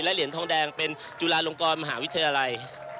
เหรียญทองแดงเป็นจุฬาลงกรมหาวิทยาลัย